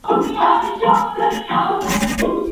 که یو ایډیټور وخت ولري نو په کار کي یې ښکلا راځي.